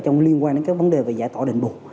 trong liên quan đến cái vấn đề về giải tỏa đền bụng